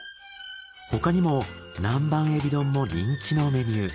他にも南蛮エビ丼も人気のメニュー。